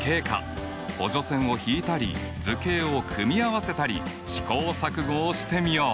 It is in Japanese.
補助線を引いたり図形を組み合わせたり試行錯誤をしてみよう。